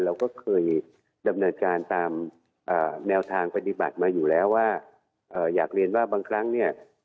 เราก็เคยดำเนินการตามแนวทางปฏิบัติมาอยู่แล้วว่าอยากเรียนว่าบางครั้งเนี่ย